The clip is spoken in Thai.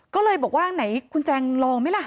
ก็เลยบอกว่าไหนคุณแจงลองไหมล่ะ